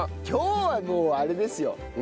今日はもうあれですよ。